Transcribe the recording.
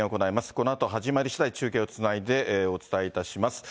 このあと、始まりしだい、中継をつないでお伝えします。